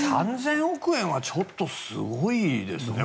３０００億円はちょっとすごいですね。